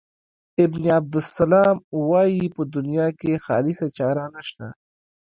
ابن عبدالسلام وايي په دنیا کې خالصه چاره نشته.